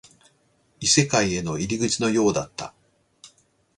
異世界への入り口のようだった